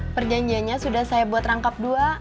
perjanjiannya sudah saya buat rangkap dua